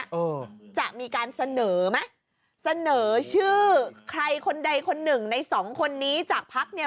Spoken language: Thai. เออจะมีการเสนอไหมเสนอชื่อใครคนใดคนหนึ่งในสองคนนี้จากพักเนี่ย